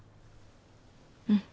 うん。